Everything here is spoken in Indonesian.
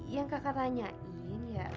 yang kakak tanyain ya